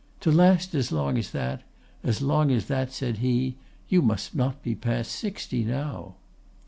—To last as long as that—as long as that,' said he, 'you must not be past sixty now.